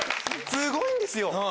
すごいんですよ！